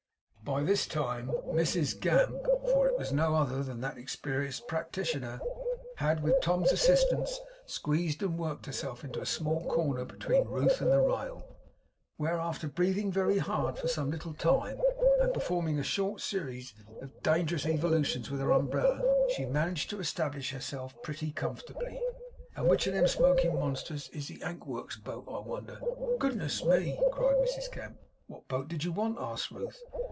By this time, Mrs Gamp (for it was no other than that experienced practitioner) had, with Tom's assistance, squeezed and worked herself into a small corner between Ruth and the rail; where, after breathing very hard for some little time, and performing a short series of dangerous evolutions with her umbrella, she managed to establish herself pretty comfortably. 'And which of all them smoking monsters is the Ankworks boat, I wonder. Goodness me!' cried Mrs Gamp. 'What boat did you want?' asked Ruth.